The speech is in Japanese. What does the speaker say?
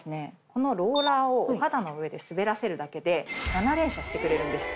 このローラーをお肌の上で滑らせるだけで７連射してくれるんです。